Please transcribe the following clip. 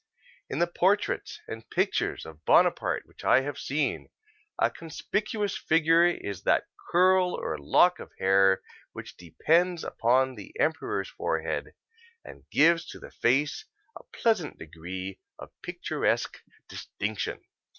In all the portraits and pictures of Bonaparte which I have seen, a conspicuous feature is that curl or lock of hair which depends upon the emperor's forehead, and gives to the face a pleasant degree of picturesque distinction.